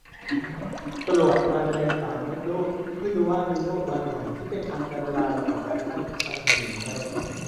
ตรวจมะเร็งปากมดลูก เพื่อดูว่ามีโรคบางอย่างที่เป็นอันตรายต่อการตั้งครรภ์หรือไม่